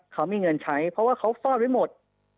เขามีเงินใช้เพราะว่าเขาฟอดไว้หมด